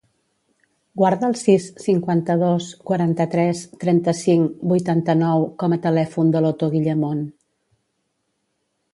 Guarda el sis, cinquanta-dos, quaranta-tres, trenta-cinc, vuitanta-nou com a telèfon de l'Oto Guillamon.